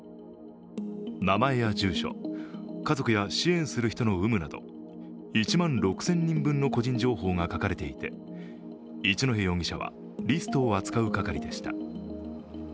名前や住所、家族や支援する人の有無など１万６０００人分の個人情報が書かれていて、一戸容疑者はリストを扱う係でした。